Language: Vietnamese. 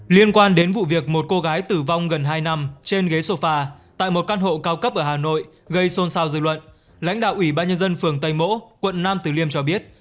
liên quan đến vụ việc một cô gái tử vong gần hai năm trên ghế sofa tại một căn hộ cao cấp ở hà nội gây xôn xao dư luận lãnh đạo ủy ban nhân dân phường tây mỗ quận nam tử liêm cho biết